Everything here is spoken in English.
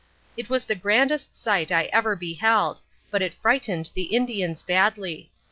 It was the grandest sight I ever beheld, but it frightened the Indians badly.